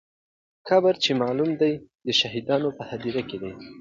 قبر چې معلوم دی، د شهیدانو په هدیره کې دی.